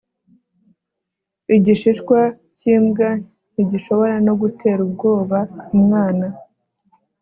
Igishishwa cyimbwa ntigishobora no gutera ubwoba umwana